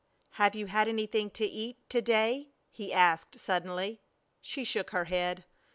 "Have you had anything to eat to day?" he asked, suddenly. She shook her head.